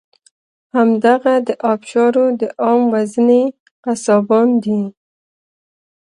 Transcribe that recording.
همدغه د آبشارو د عام وژنې قصابان دي.